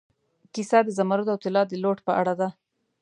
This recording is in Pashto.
کیسه د زمرد او طلا د لوټ په اړه ده.